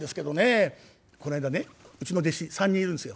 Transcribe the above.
こないだねうちの弟子３人いるんですよ。